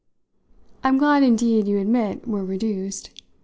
I'm glad indeed you admit we're 'reduced.'